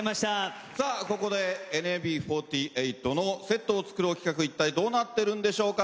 ここでＮＭＢ４８のセットを作ろう企画一体どうなったのでしょうか。